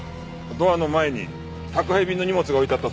ドアの前に宅配便の荷物が置いてあったそうだ。